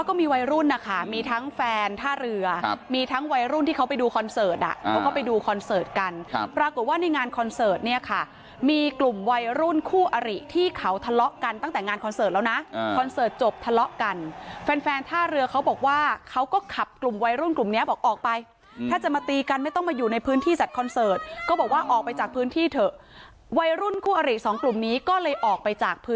ก็มีวัยรุ่นนะคะมีทั้งแฟนท่าเรือครับมีทั้งวัยรุ่นที่เขาไปดูคอนเสิร์ตอ่ะเพราะเขาไปดูคอนเสิร์ตกันครับปรากฏว่าในงานคอนเสิร์ตเนี้ยค่ะมีกลุ่มวัยรุ่นคู่อริที่เขาทะเลาะกันตั้งแต่งานคอนเสิร์ตแล้วน่ะอือคอนเสิร์ตจบทะเลาะกันแฟนแฟนท่าเรือเขาบอกว่าเขาก็ขับกลุ่มวัยรุ่นกลุ่